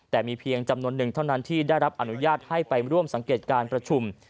แต่มีเพียงจำนวนหนึ่งเท่านั้นที่ได้รับอนุญาตให้ไปร่วมสังเกตการประชุม